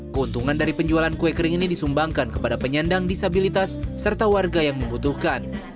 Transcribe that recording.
keuntungan dari penjualan kue kering ini disumbangkan kepada penyandang disabilitas serta warga yang membutuhkan